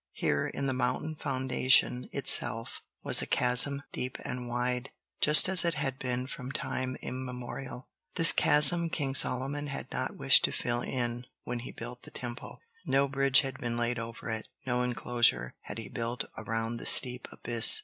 Here, in the mountain foundation itself, was a chasm, deep and wide—just as it had been from time immemorial. This chasm King Solomon had not wished to fill in when he built the Temple. No bridge had been laid over it; no inclosure had he built around the steep abyss.